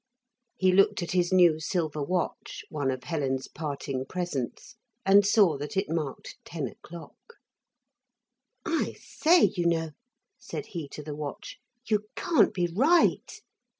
He looked at his new silver watch, one of Helen's parting presents, and saw that it marked ten o'clock. 'I say, you know,' said he to the watch, 'you can't be right.'